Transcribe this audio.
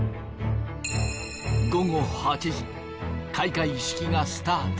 午後８時開会式がスタート。